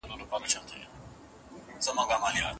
ماهر د ساعت اصلي ارزښت موندلی دی.